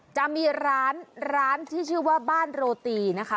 จะมีร้านร้านที่ชื่อว่าบ้านโรตีนะคะ